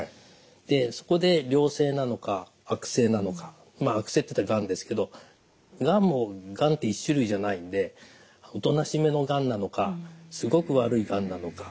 でそこで良性なのか悪性なのか悪性っていったらがんですけどがんって１種類じゃないんでおとなしめのがんなのかすごく悪いがんなのか。